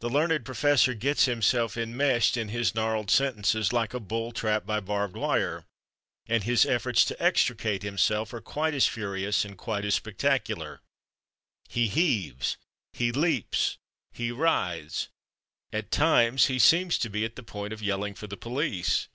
The learned professor gets himself enmeshed in his gnarled sentences like a bull trapped by barbed wire, and his efforts to extricate himself are quite as furious and quite as spectacular. He heaves, he leaps, he writhes; at times he seems to be at the point of yelling for the police.